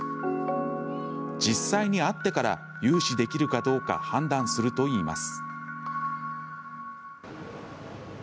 実際に会ってから融資できるかどうか判断するといいます。